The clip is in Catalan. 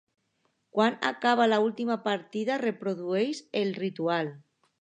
Quan acaba l'última partida reprodueixen el ritual.